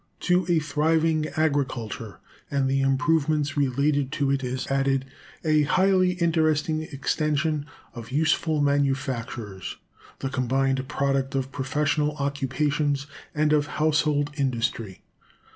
To a thriving agriculture and the improvements related to it is added a highly interesting extension of useful manufactures, the combined product of professional occupations and of household industry.